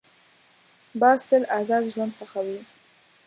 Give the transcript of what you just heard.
باز تل آزاد ژوند خوښوي